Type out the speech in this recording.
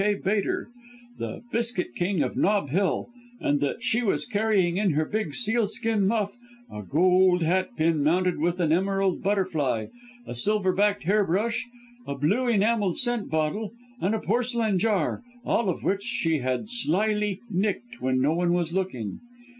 K. Bater, the Biscuit King of Nob Hill, and that she was carrying in her big seal skin muff a gold hatpin mounted with an emerald butterfly, a silver backed hair brush, a blue enamelled scent bottle, and a porcelain jar, all of which she had slyly 'nicked,' when no one was looking.